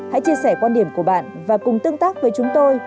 hãy chia sẻ quan điểm của bạn và cùng tương tác với chúng tôi